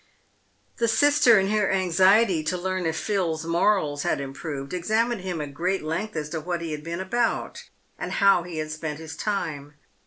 The sister, in her anxiety to learn if Phil's morals had improved, examined him at great length as to what he had been about, and how he had spent his time.